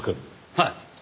はい。